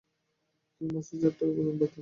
তিনি মাসিক চার টাকা বেতন পাইতেন।